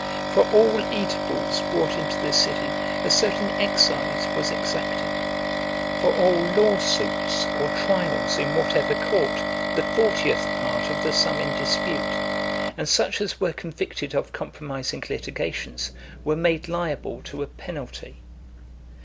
For all eatables brought into the city, a certain excise was exacted: for all law suits or trials in whatever court, the fortieth part of the sum in dispute; and such as were convicted of compromising litigations, were made liable to a penalty.